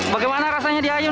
bagaimana rasanya di ayun